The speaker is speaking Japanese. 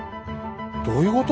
どういうこと？